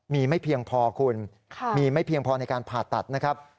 มีไม่เพียงพอคุณมีไม่เพียงพอในการผ่าตัดนะครับ